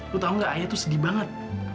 lu tau gak ayah itu sedih banget